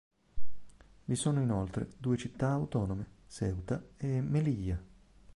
Vi sono inoltre due città autonome: Ceuta e Melilla.